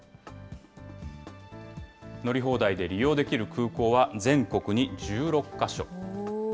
乗り放題で利用できる空港は全国に１６か所。